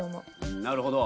なるほど。